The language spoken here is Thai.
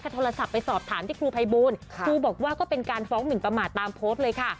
โทรศัพท์ไปสอบถามที่ครูภัยบูลครูบอกว่าก็เป็นการฟ้องหมินประมาทตามโพสต์เลยค่ะ